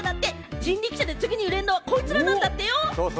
人力舎で次に売れるのはこいつらなんだってよ。